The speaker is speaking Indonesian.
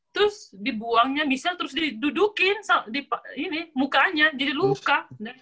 terus dibuangnya michelle terus didudukin ini mukanya jadi luka